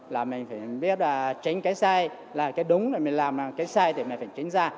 là mình phải biết tránh cái sai là cái đúng là mình làm cái sai thì mình phải tránh ra